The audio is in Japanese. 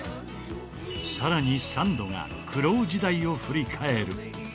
更にサンドが苦労時代を振り返る。